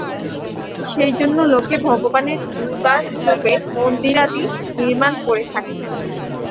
সেই জন্য লোকে ভগবানের নিবাস-রূপে মন্দিরাদি নির্মাণ করে থাকে।